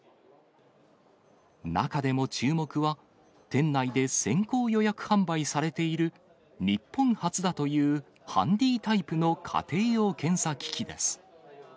中でも注目は、店内で先行予約販売されている、日本初だというハンディータイプの家庭用検査機器です。